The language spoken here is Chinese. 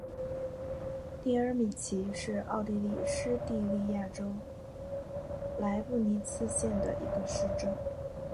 蒂尔米奇是奥地利施蒂利亚州莱布尼茨县的一个市镇。